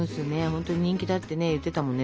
ほんとに人気だって言ってたもんね。